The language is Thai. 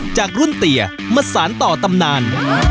จากรุ่นเตียมาสารต่อตำนาน